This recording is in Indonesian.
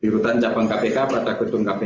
rutan cawang kpk pada getung kpk kpju